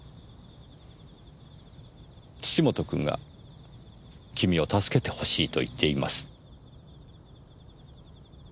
土本君が君を助けてほしいと言っています。